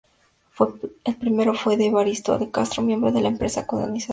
El primero fue de Evaristo de Castro, miembro de la empresa colonizadora.